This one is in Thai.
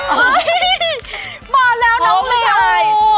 เฮ้ยมาแล้วน้องลิว